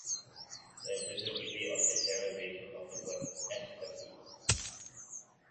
There is also debate on the derivation of the word "estampie".